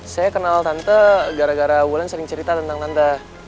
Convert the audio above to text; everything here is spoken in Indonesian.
saya kenal tante gara gara wulan sering cerita tentang nanda